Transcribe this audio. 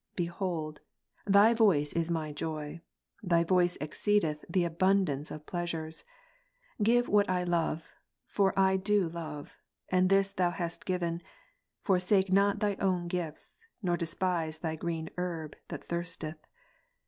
Behold, Thy voice is my joy; Thy j/ voice exceedeth the abundance of pleasures. Give what I love : for I do love ; and this hast Thou given : forsake not Thy own gifts, nor despise Thy green herb that thirsteth.